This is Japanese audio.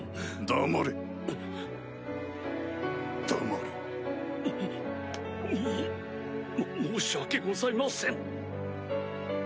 黙れ。も申し訳ございません。